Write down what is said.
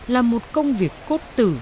là một công việc cốt tử